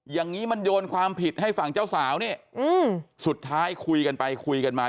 อย่างนี้มันโยนความผิดให้ฝั่งเจ้าสาวนี่อืมสุดท้ายคุยกันไปคุยกันมา